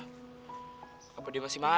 aku mau berbual dengan kamu